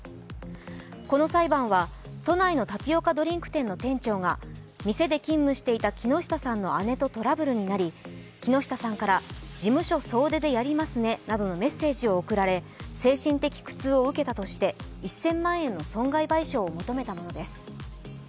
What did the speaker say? この裁判は、都内のタピオカドリンク店の店長が店で勤務していた木下さんの姉とトラブルになり木下さんから事務所総出でやりますねなどのメッセージを送られ、精神的苦痛を受けたとして１０００万円の損害賠償を求めたものです。